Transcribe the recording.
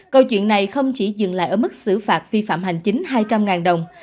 câu chuyện này không chỉ dừng lại ở mức xử phạt vi phạm hành chính hai trăm linh đồng